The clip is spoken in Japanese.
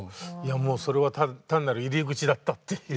もうそれは単なる入り口だったっていう。